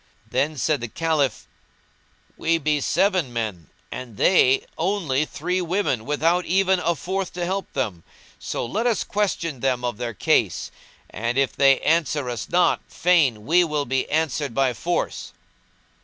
Then said the Caliph, "We be seven men, and they only three women without even a fourth to help them; so let us question them of their case; and, if they answer us not, fain we will be answered by force."